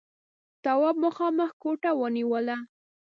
تواب مخامخ ګوته ونيوله: